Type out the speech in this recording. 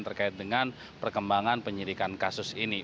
terkait dengan perkembangan penyidikan kasus ini